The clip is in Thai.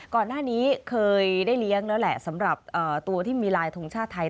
ก่อนหน้านี้เคยได้เลี้ยงแล้วแหละสำหรับตัวที่มีลายทรงชาติไทย